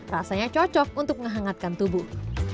rasanya cocok untuk menghangatkan tubuh